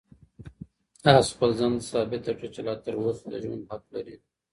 آس خپل ځان ته ثابته کړه چې لا تر اوسه د ژوند حق لري.